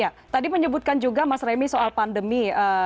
ya tadi menyebutkan juga mas remi soal pandemi